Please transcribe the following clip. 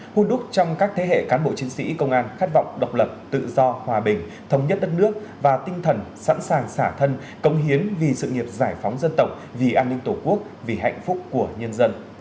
hôn đúc trong các thế hệ cán bộ chiến sĩ công an khát vọng độc lập tự do hòa bình thống nhất đất nước và tinh thần sẵn sàng xả thân công hiến vì sự nghiệp giải phóng dân tộc vì an ninh tổ quốc vì hạnh phúc của nhân dân